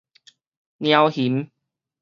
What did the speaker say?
貓熊